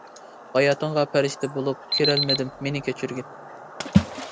ھاياتىڭغا پەرىشتە بولۇپ، كىرەلمىدىم مېنى كەچۈرگىن.